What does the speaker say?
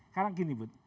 karena gini bud